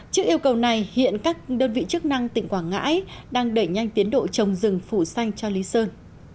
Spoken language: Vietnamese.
trước yêu cầu này hiện các đơn vị chức năng tỉnh quảng ngãi đang đẩy nhanh tiến độ trồng rừng phủ xanh cho lý sơn